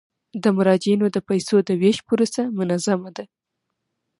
د مراجعینو د پيسو د ویش پروسه منظمه ده.